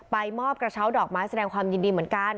มอบกระเช้าดอกไม้แสดงความยินดีเหมือนกัน